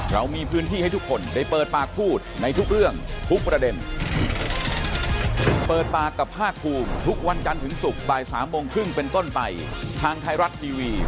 วันนี้ลาไปก่อนครับสวัสดีครับ